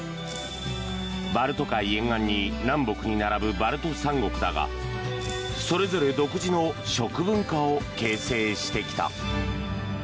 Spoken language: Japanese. バルト海沿岸に南北に並ぶバルト三国だがそれぞれ独自の食文化を形成してきた。